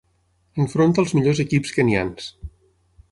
Enfronta els millors equips kenyans.